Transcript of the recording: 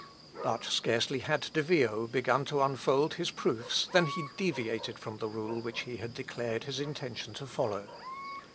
But scarcely had De Vio begun to unfold his proofs than he deviated from the rule which he had declared his intention to follow.